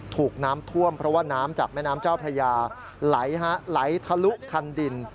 ถูกน้ำท่วมเพราะว่าน้ำจากแม่น้ำเจ้าพระยาไหลทะลุคันดิน